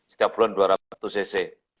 setiap bulan dua ratus cc